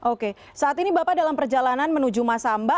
oke saat ini bapak dalam perjalanan menuju masamba